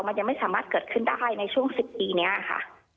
มันยังไม่สามารถเกิดขึ้นได้ในช่วง๑๐ปีนี้ค่ะ